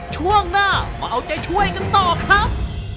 ช่วงหน้ามาเอาใจช่วยกันต่อครับ